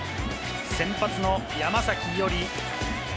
先発の山崎伊織。